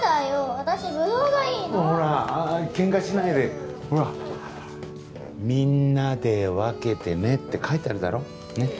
私ブドウがいいのほらケンカしないでほら「みんなでわけてね」って書いてあるだろねっ？